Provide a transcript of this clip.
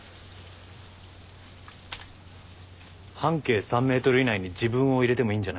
半径３ｍ以内に自分を入れてもいいんじゃない？